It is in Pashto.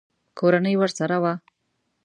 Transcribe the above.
کورنۍ ورسره وه.